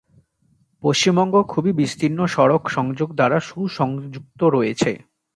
পশ্চিমবঙ্গ খুবই বিস্তীর্ণ সড়ক সংযোগ দ্বারা সু-সংযুক্ত রয়েছে।